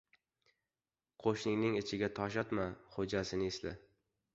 • Qo‘shningning itiga tosh otma: xo‘jasini esla.